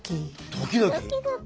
ドキドキ。